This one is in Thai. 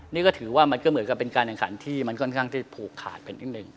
นี่ก็ถือว่ามันก็เหมือนกับเป็นการแข่งขันที่มันค่อนข้างที่ผูกขาดเป็นนิดหนึ่ง